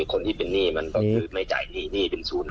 คนที่เป็นหนี้มันก็คือไม่จ่ายหนี้หนี้เป็นศูนย์